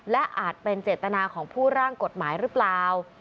และอาจเป็นเจตนาของผู้ร่างกฎหมายหรือเปล่า